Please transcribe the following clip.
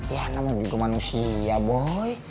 ya namanya juga manusia boy